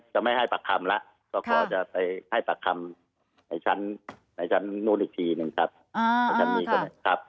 จะไม่ให้ปากคำแล้วก็จะให้ปากคำไหนฉันนู้นอีกทีนึงนะครับ